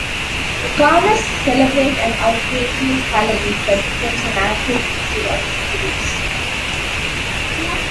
The Conners celebrate an outrageous Halloween that becomes an annual feature of the series.